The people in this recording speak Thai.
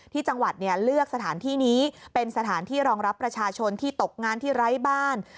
ที่จังหวัดเลือกสถานที่นี้เป็นสถานที่รองรับประชาชนที่ตกงานที่ไร้บ้าน